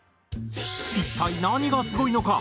一体何がすごいのか？